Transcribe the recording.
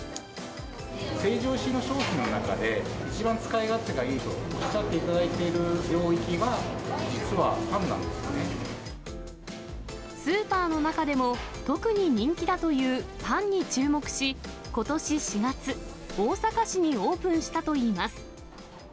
成城石井の商品の中で、一番使い勝手がいいとおっしゃっていただいている領域は、実はパスーパーの中でも、特に人気だというパンに注目し、ことし４月、大阪市にオープンしたといいます。